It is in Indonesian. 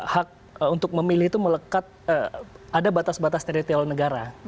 hak untuk memilih itu melekat ada batas batas teritol negara